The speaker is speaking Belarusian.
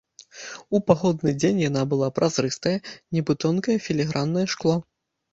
У пагодны дзень яна была празрыстая, нібы тонкае філіграннае шкло.